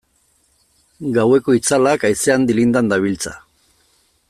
Gaueko itzalak haizean dilindan dabiltza.